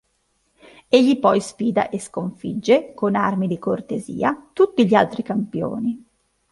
Egli poi sfida e sconfigge, con armi di cortesia, tutti gli altri campioni.